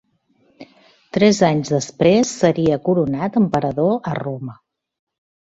Tres anys després seria coronat emperador a Roma.